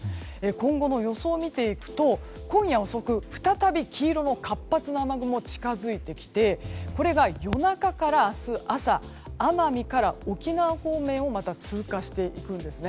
今後の予想を見ていくと今夜遅く再び、黄色の活発な雨雲が近づいてきてこれが夜中から明日朝奄美から沖縄方面をまた通過していくんです。